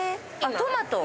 トマト？